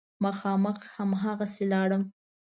مخامخ هماغسې لاړم.